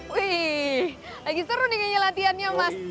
wih lagi seru nih kayaknya latihannya mas